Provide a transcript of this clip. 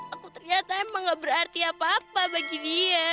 aku ternyata emang gak berarti apa apa bagi dia